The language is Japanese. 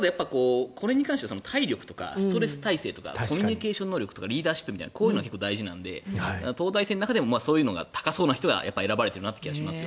これに関しては体力とかストレス耐性とかコミュニケーション能力とかリーダーシップみたいなこういうのが大事なので東大生の中でもそういうのが高そうな人が選ばれているなと思います。